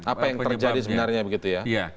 apa yang terjadi sebenarnya